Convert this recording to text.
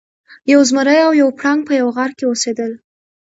یو زمری او یو پړانګ په یوه غار کې اوسیدل.